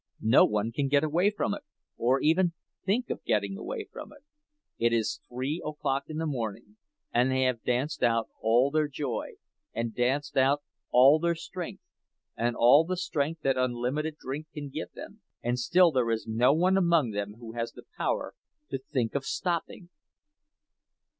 No one can get away from it, or even think of getting away from it; it is three o'clock in the morning, and they have danced out all their joy, and danced out all their strength, and all the strength that unlimited drink can lend them—and still there is no one among them who has the power to think of stopping.